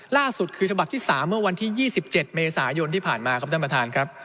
ล่าสุดคือฉบับที่๓เมื่อวันที่๒๗เมษายนที่ผ่านมาครับท่านประธานครับ